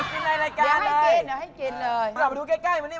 เดี๋ยวกินในรายการเลย